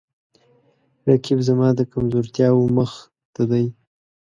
رقیب زما د کمزورتیاو مخ ته دی